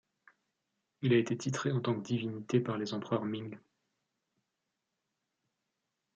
Il a été titré en tant que divinité par les empereurs Ming.